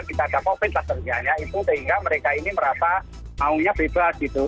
kita dapat pencahayaannya itu sehingga mereka ini merasa maunya bebas gitu